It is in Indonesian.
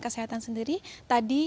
kesehatan sendiri tadi